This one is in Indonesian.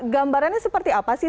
gambarannya seperti apa sih